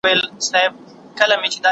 تاسو به په ځان باندي کنټرول ولرئ.